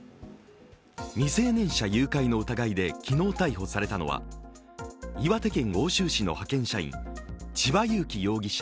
未成年者誘拐の疑いで昨日逮捕されたのは岩手県奥州市の派遣社員、千葉裕生容疑者